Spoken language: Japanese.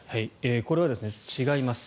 これは違います。